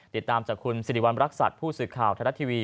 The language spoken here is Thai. ติดตามจากคุณสิริวัณรักษัตริย์ผู้สื่อข่าวไทยรัฐทีวี